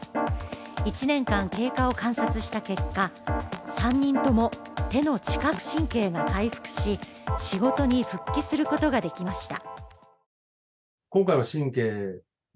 １年間経過を観察した結果、３人とも手の知覚神経が回復し、仕事に復帰することができました。